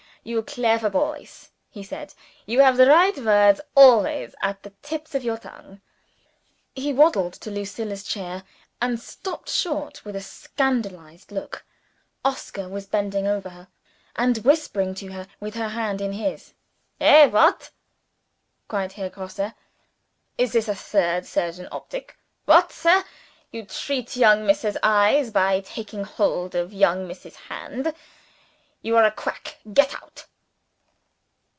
"You clever boys!" he said. "You have the right word always at the tips of your tongue." He waddled to Lucilla's chair; and stopped short with a scandalized look. Oscar was bending over her, and whispering to her with her hand in his. "Hey! what?" cried Herr Grosse. "Is this a third surgeon optic? What, sir! you treat young Miss's eyes by taking hold of young Miss's hand? You are a Quack. Get out!"